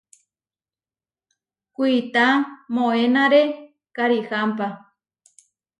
Kuitá moenáre karihámpa.